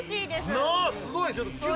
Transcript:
な、すごい。